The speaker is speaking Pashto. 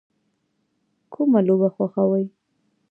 کومه لوبه خوښوئ؟